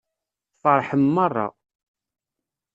Tfeṛḥem meṛṛa.